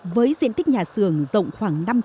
với diện tích nhà sườn rộng khoảng năm trăm linh m hai